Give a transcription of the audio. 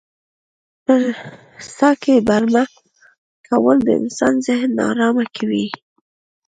په څاه کې برمه کول د انسان ذهن نا ارامه کوي.